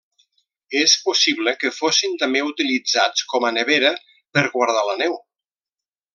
És possible que fossin també utilitzats com a nevera per guardar la neu.